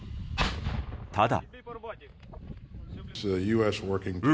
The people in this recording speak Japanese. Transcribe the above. ただ。